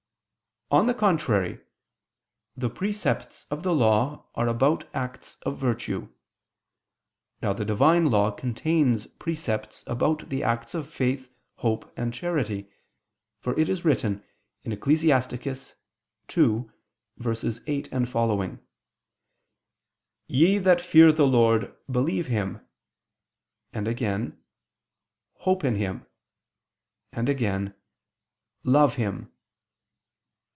On the contrary, The precepts of the Law are about acts of virtue. Now the Divine Law contains precepts about the acts of faith, hope, and charity: for it is written (Ecclus. 2:8, seqq.): "Ye that fear the Lord believe Him," and again, "hope in Him," and again, "love Him."